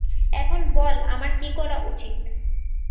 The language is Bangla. এখন বল আমার কী করা উচিত।